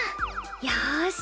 よし！